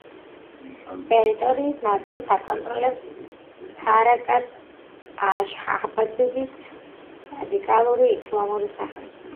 ტერიტორიის ნაწილს აკონტროლებს ჰარაკატ აშ-შაბააბის რადიკალური ისლამური სახელმწიფო.